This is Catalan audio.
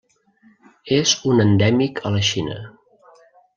És un endèmic a la Xina.